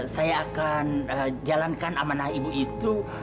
saya akan jalankan amanah ibu itu